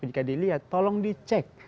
jika dilihat tolong dicek